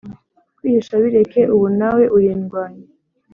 kwihisha bireke ubu nawe urindwanyi